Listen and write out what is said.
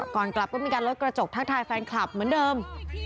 ก่อนกลับก็มีการลดกระจกทักทายแฟนคลับเหมือนเดิม